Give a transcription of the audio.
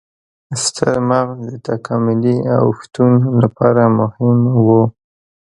ستر مغز د تکاملي اوښتون لپاره مهم و.